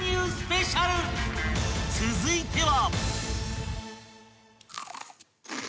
［続いては］